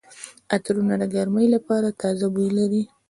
عطرونه د ګرمۍ لپاره تازه بوی لري.